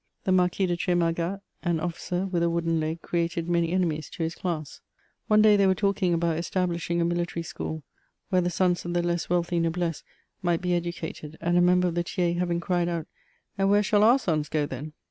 The Marquis de Tr^margat, an officer with a wooden leg, created many enemies to his class ; one day they were talking about establishing a military school, where the sons of the less wealthy noblesse 204 ' MEMOIRS OF might be educated, and a member of the Tiers haTing cried out^ " And where shall our sons go then